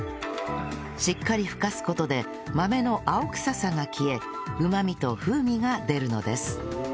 しっかりふかす事で豆の青臭さが消えうまみと風味が出るのです